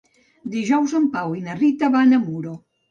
Dijous en Pau i na Rita van a Muro.